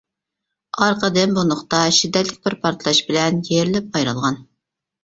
ئارقىدىن بۇ نۇقتا شىددەتلىك بىر پارتلاش بىلەن يېرىلىپ ئايرىلغان.